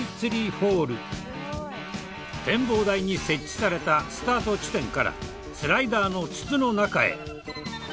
展望台に設置されたスタート地点からスライダーの筒の中へ。